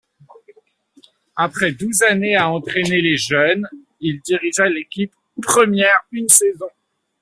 Après douze années à entraîner les jeunes, il dirigea l'équipe première une saison.